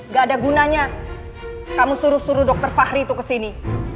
gak ada gunanya kamu suruh suruh dokter fahri itu ke sini